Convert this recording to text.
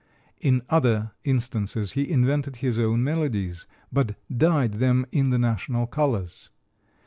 In other instances he invented his own melodies, but dyed them in the national colors.